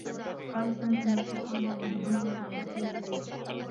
قال سامي أنّ الشّيطان هو من أمره بالتّضحية بليلى.